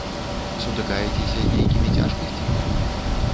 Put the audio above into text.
Сутыкаецеся з нейкімі цяжкасцямі?